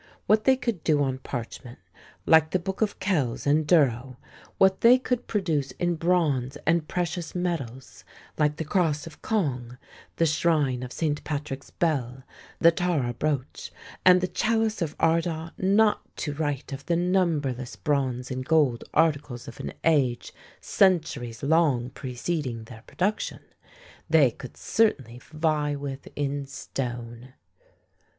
What they could do on parchment like the Books of Kells and Durrow what they could produce in bronze and precious metals like the Cross of Cong, the Shrine of Saint Patrick's Bell, the Tara Brooch, and the Chalice of Ardagh not to write of the numberless bronze and gold articles of an age centuries long preceding their production they could certainly vie with in stone.